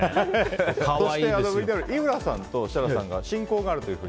そしてＶＴＲ、井浦さんと設楽さんが親交があると。